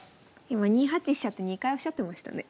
今「２八飛車」って２回おっしゃってましたね。